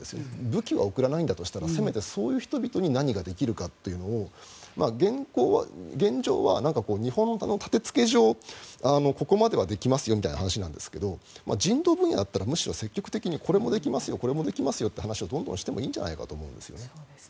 武器は送らないんだとしたらせめてそういう人々に何ができるかというのを現状は日本の建付け上ここまではできますよみたいな話なんですけど人道的分野についてはむしろ、積極的にこれもできますよという話をどんどんしてもいいんじゃないかと思うんです。